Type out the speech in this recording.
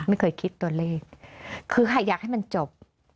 ไม่เคยคิดตัวเลขคือค่ะอยากให้มันจบ